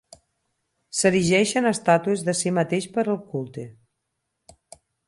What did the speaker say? S'erigeixen estàtues de si mateix per al culte.